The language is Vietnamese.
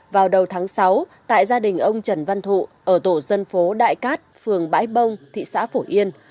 vào đầu tháng sáu tại gia đình ông trần văn thụ ở tổ dân phố đại cát phường bãi bông thị xã phổ yên